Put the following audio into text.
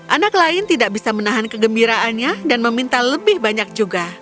anak lain tidak bisa menahan kegembiraannya dan meminta lebih banyak juga